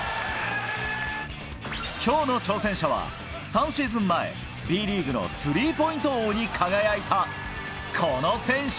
きょうの挑戦者は、３シーズン前、Ｂリーグのスリーポイント王に輝いたこの選手。